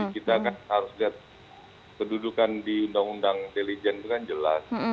jadi kita harus lihat kedudukan di undang undang intelijen itu kan jelas